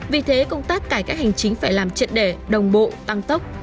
vì thế công tác cải cách hành chính phải làm triệt đề đồng bộ tăng tốc